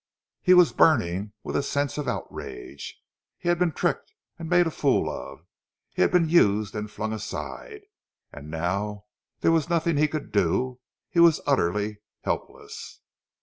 He was burning with a sense of outrage. He had been tricked and made a fool of; he had been used and flung aside. And now there was nothing he could do—he was utterly helpless.